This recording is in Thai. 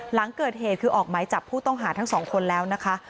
หลังเกิดเหตุคือออกหมายจับผู้ต้องหาทั้งสองคนแล้วนะคะ